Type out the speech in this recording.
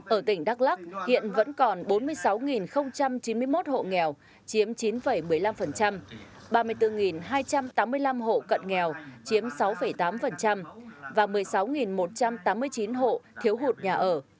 ở tỉnh đắk lắc hiện vẫn còn bốn mươi sáu chín mươi một hộ nghèo chiếm chín một mươi năm ba mươi bốn hai trăm tám mươi năm hộ cận nghèo chiếm sáu tám và một mươi sáu một trăm tám mươi chín hộ thiếu hụt nhà ở